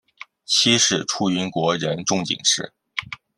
妻是出云国人众井氏。